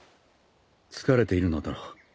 疲れているのだろう。